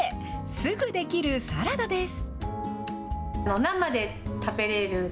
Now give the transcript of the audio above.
すぐ出来るサラダです。